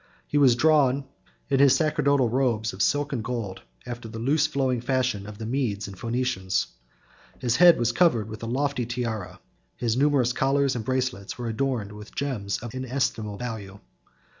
He was drawn in his sacerdotal robes of silk and gold, after the loose flowing fashion of the Medes and Phœnicians; his head was covered with a lofty tiara, his numerous collars and bracelets were adorned with gems of an inestimable value.